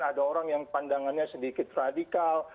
ada orang yang pandangannya sedikit radikal